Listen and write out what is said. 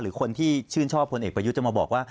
คนที่ชื่นชอบพลเอกประยุทธ์จะมาบอกว่า